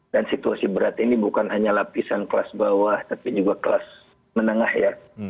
dan situasi berat ini bukan hanya lapisan kelas bawah tapi juga kelas menengah ya